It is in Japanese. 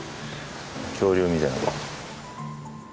恐竜みたい。